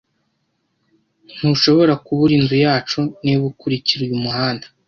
Ntushobora kubura inzu yacu niba ukurikira uyu muhanda.